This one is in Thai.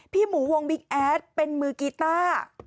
พี่หมูวงบิ๊กแอดเป็นมือกีต้า